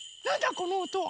このおとは。